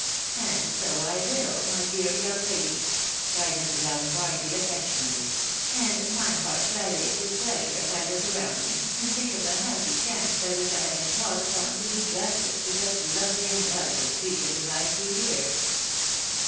" And so I will, my dear young lady," cried Mrs. Allen Barnaby, affectionately ;" and my heart dilates with pleasure as I look around me, and think of the happy chance by which I have been called upon to do justice to such lovely and elegant creatures as I see here